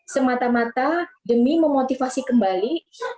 semata mata demi memotivasi kembali